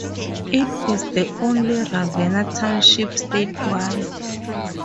It is the only Ravenna Township statewide.